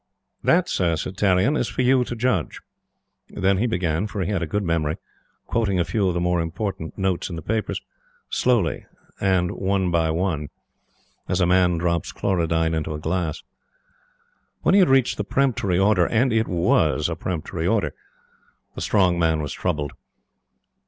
"That, Sir," said Tarrion, "is for you to judge." Then he began, for he had a good memory, quoting a few of the more important notes in the papers slowly and one by one as a man drops chlorodyne into a glass. When he had reached the peremptory order and it WAS a peremptory order the Strong Man was troubled.